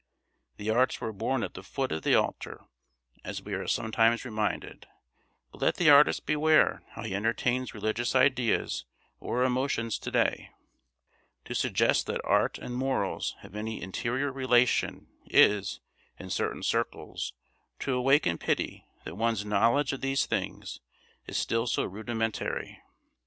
The arts were born at the foot of the altar, as we are sometimes reminded; but let the artist beware how he entertains religious ideas or emotions to day; to suggest that art and morals have any interior relation is, in certain circles, to awaken pity that one's knowledge of these things is still so rudimentary.